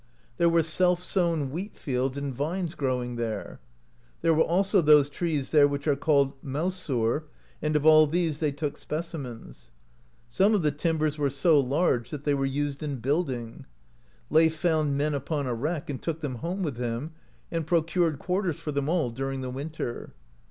There were self sown wheat fields and vines growing there. There were also those trees there which are called "mausur" (36), and of all these they took specimens. Some of the timbers were so large that they were used in building. Leif found men upon a wreck, and took them home with him, and procured quarters for them all during the winter.